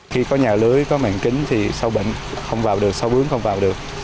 khi có nhà lưới có mạng kính thì rau bệnh không vào được rau bướm không vào được